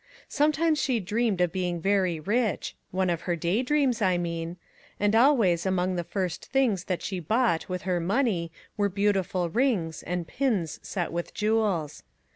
Sometimes she dreamed of being very rich one of her day dreams, I mean and al ways among the first things that she bought with her money were beautiful rings, and pins set with jewels.